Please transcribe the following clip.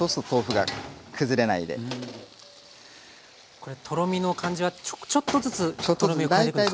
これとろみの感じはちょっとずつとろみを加えていくんですね。